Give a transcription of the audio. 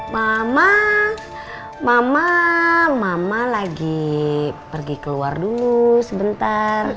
mama mama lagi pergi keluar dulu sebentar